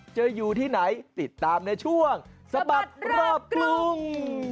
อยู่ที่ไหนติดตามในช่วงสะบัดรอบกรุง